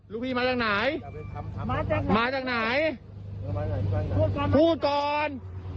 ลูกพี่มาจากไหนมาจากไหนพูดก่อน